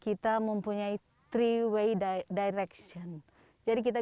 skyland tetempangan hill banyak disebut sebagai tempat para layang atau para gliding paling ideal